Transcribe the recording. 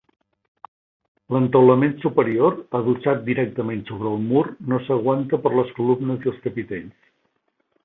L'entaulament superior, adossat directament sobre el mur, no s'aguanta per les columnes i els capitells.